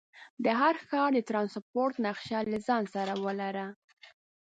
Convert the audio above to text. د هر ښار د ټرانسپورټ نقشه له ځان سره ولره.